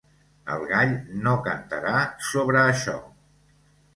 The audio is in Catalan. El gall no cantarà sobre això.